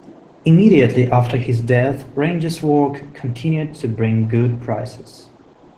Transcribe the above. Immediately after his death, Ranger's work continued to bring good prices.